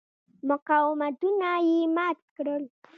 مقاومتونه یې مات کړل.